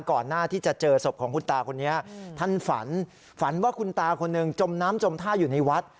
ก่อนหน้าที่จะเจอศพของคุณตาคนนี้ท่านฝันฝันว่าคุณตาคนหนึ่งจมน้ำจมท่าอยู่ในวัด